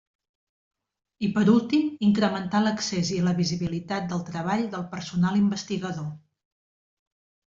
I per últim, incrementar l'accés i la visibilitat del treball del personal investigador.